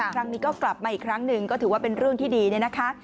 ครั้งนี้ก็กลับมาอีกครั้งหนึ่งก็ถือว่าเป็นเรื่องที่ดีเนี่ยนะคะ